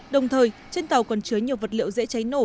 đồng thời trên tàu còn chứa nhiều vật liệu dễ cháy nổ